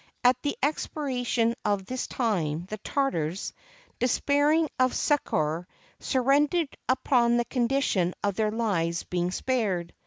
At the expiration of this time, the Tartars, despairing of succor, surrendered upon the condition of their lives being spared.